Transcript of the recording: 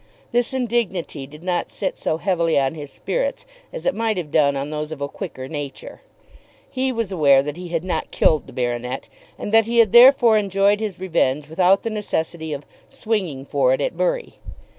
This indignity did not sit so heavily on his spirits as it might have done on those of a quicker nature. He was aware that he had not killed the baronet, and that he had therefore enjoyed his revenge without the necessity of "swinging for it at Bury."